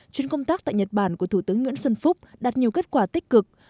chuyến công tác tại nhật bản của thủ tướng nguyễn xuân phúc đạt nhiều kết quả tích cực